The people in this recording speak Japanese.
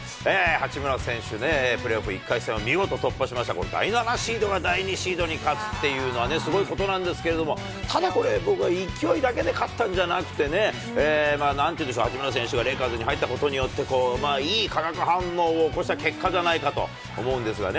八村選手ね、プレーオフ１回戦を見事、突破しました、この第７シードが第２シードに勝っていうのはね、すごいことなんですけれども、ただこれ、僕は勢いだけで勝ったんじゃなくて、なんていうんでしょう、八村選手がレイカーズに入ったことによって、いい化学反応を起こした結果じゃないかと思うんですがね。